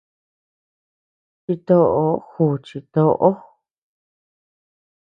Chitoó juuchi toʼo.